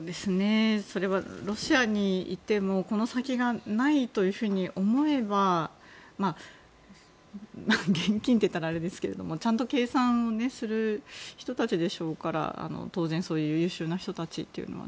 ロシアにいてもこの先がないというふうに思えば現金って言ったらあれですけどちゃんと計算をする人たちでしょうから当然そういう優秀な人たちというのは。